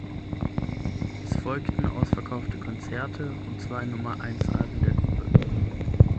Es folgten ausverkaufte Konzerte und zwei Nummer-eins-Alben der Gruppe.